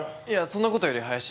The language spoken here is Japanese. いやそんなことより林。